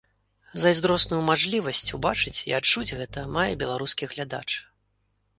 Зайздросную мажлівасць убачыць і адчуць гэта мае беларускі глядач.